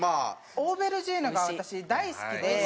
オーベルジーヌが私大好きで。